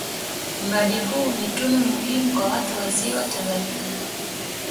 Mradi huu ni tunu muhimu kwa watu wa Ziwa Tanganyika